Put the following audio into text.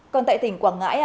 còn tại tỉnh quảng ngãi